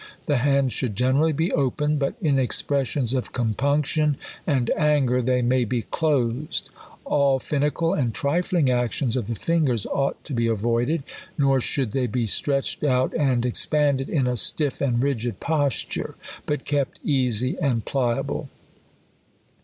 The hands should generally be open ; but in expressions of compunction and an ger, they may be closed. All finical and trilling ac tions of the fingers ought to be avoided ; nor should they be stretched out and expanded in a stiff and rigid posture, but kept easy and pliable.